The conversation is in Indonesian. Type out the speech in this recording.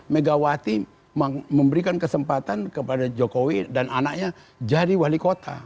megawati memberikan kesempatan kepada jokowi dan anaknya jadi wali kota